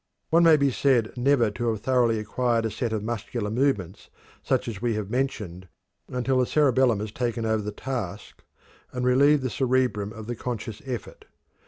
One may be said never to have thoroughly acquired a set of muscular movements such as we have mentioned, until the cerebellum has taken over the task and relieved the cerebrum of the conscious effort.